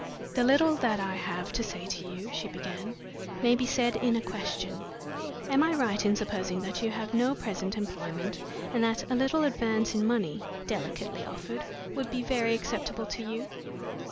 "The little that I have to say to you," she began, "may be said in a question. Am I right in supposing that you have no present employment, and that a little advance in money (delicately offered) would be very acceptable to you?"